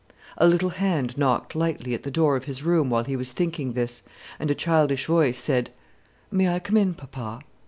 A little hand knocked lightly at the door of his room while he was thinking this, and a childish voice said, "May I come in, papa?"